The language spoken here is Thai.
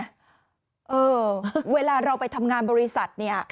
เวลาเราไปทำงานบริษัทเนี่ย